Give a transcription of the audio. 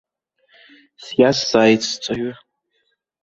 Сиазҵааит сҵаҩы.